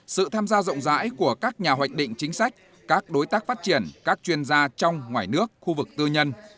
sự tham gia rộng rãi của các nhà hoạch định chính sách các đối tác phát triển các chuyên gia trong ngoài nước khu vực tư nhân